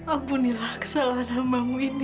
ampunilah kesalahan hambamu ini